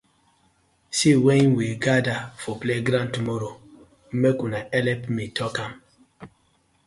See wen we gather for playground tomorrow mek una helep me tok am.